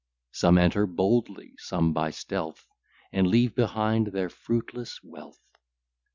Some enter boldly, some by stealth, And leave behind their fruitless wealth.